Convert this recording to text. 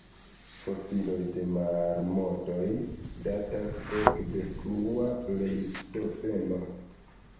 Fosilioj de la marmotoj datas ekde frua plejstoceno.